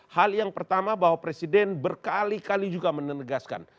hal yang pertama bahwa presiden berkali kali juga menegaskan